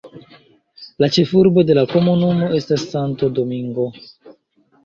La ĉefurbo de la komunumo estas Santo Domingo.